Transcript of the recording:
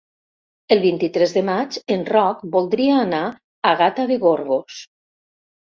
El vint-i-tres de maig en Roc voldria anar a Gata de Gorgos.